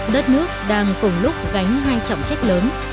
đất nước đang cùng lúc gánh hai trọng trách lớn